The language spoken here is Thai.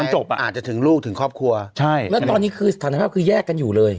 จบอ่ะอาจจะถึงลูกถึงครอบครัวใช่แล้วตอนนี้คือสถานภาพคือแยกกันอยู่เลย